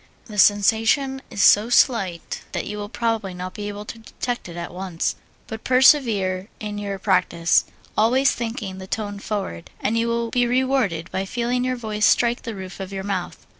The sensation is so slight that you will probably not be able to detect it at once, but persevere in your practise, always thinking the tone forward, and you will be rewarded by feeling your voice strike the roof of your mouth.